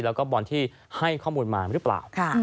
แล้วก็บอลที่ให้ข้อมูลมาหรือเปล่า